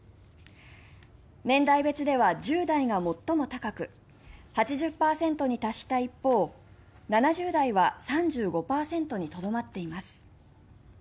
年代別では１０代が最も高く８０％に達した一方７０代は３５％にとどまっています。